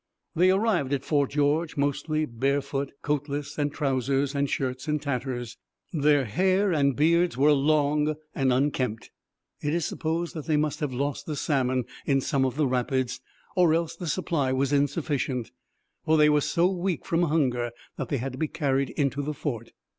They arrived at Fort George mostly barefoot, coatless, and trousers and shirts in tatters. Their hair and beards were long and unkempt. It is supposed that they must have lost the salmon in some of the rapids, or else the supply was insufficient; for they were so weak from hunger that they had to be carried into the fort.